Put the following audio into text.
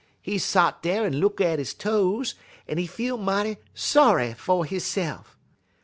He sot dar en look at his toes, en he feel mighty sorry fer hisse'f.